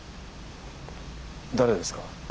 誰ですか？